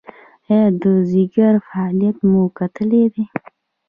ایا د ځیګر فعالیت مو کتلی دی؟